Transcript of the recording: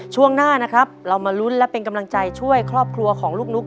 ช่วงหน้านะครับเรามาลุ้นและเป็นกำลังใจช่วยครอบครัวของลูกนุ๊ก